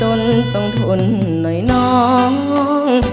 จนต้องทนหน่อยน้อง